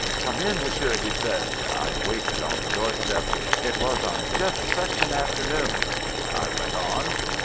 "Come in, Monsieur," he said. I waited on the doorstep. "It was on just such an afternoon...." I went on.